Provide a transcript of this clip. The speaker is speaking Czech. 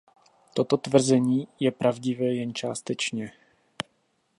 Toto tvrzení je pravdivé jen částečně.